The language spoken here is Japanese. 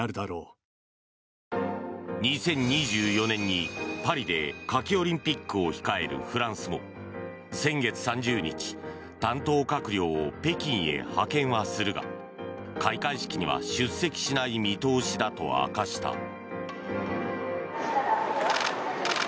２０２４年にパリで夏季オリンピックを控えるフランスも先月３０日担当閣僚を北京へ派遣はするが開会式には出席しない見通しだと明かした。